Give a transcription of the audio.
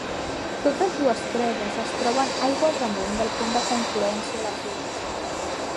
Totes dues preses es troben aigües amunt del punt de confluència dels rius.